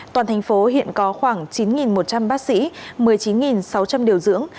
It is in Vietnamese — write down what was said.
toàn thành phố hiện có khoảng chín một trăm linh bác sĩ một mươi chín sáu trăm linh điều dưỡng